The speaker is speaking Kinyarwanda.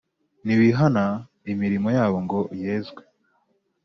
ntibīhana imirimo yabo ngo yezwe